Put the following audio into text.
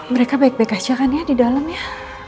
mereka baik baik saja kan ya di dalam ya